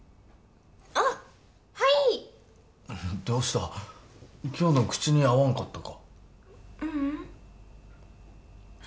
あッはいどうした今日の口に合わんかったか？